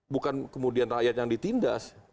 bukan kemudian rakyat yang ditindas